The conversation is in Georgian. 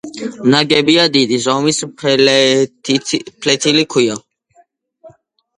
ნაგებია დიდი ზომის ფლეთილი ქვით.